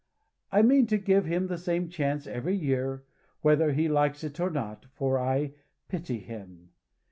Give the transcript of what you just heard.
I mean to give him the same chance every year, whether he likes it or not, for I pity him.